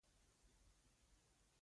په دغو کتابونو کې یو یې منطقوي اقتصاد و.